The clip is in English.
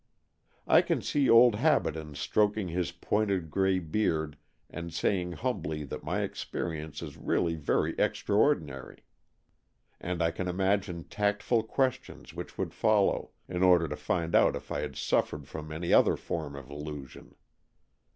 I can see old Habaden stroking his pointed grey beard and saying humbly that my experience is really very extra ordinary. And I can imagine tactful ques tions which would follow, in order to find out if I had suffered from any other form of illusion.